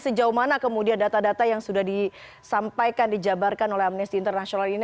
sejauh mana kemudian data data yang sudah disampaikan dijabarkan oleh amnesty international ini